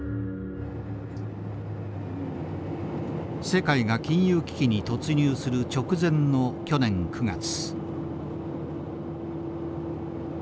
世界が金融危機に突入する直前の去年９月。